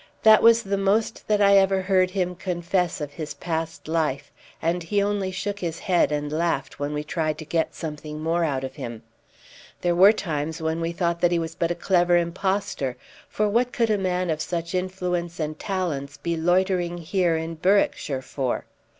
That was the most that I ever heard him confess of his past life, and he only shook his head and laughed when we tried to get something more out of him. There were times when we thought that he was but a clever impostor; for what could a man of such influence and talents be loitering here in Berwickshire for?